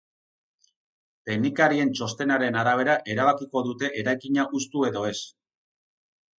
Teknikarien txostenaren arabera erabakiko dute eraikina hustu edo ez.